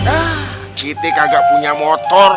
ah citi kagak punya motor